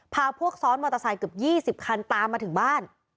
พาพวกซ้อนมอเตอร์ไซค์เกือบ๒๐คันตามมาถึงบ้าน